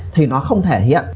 thì nó không thể hiện